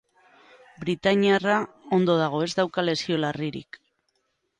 Britainiarra ondo dago, ez dauka lesio larririk.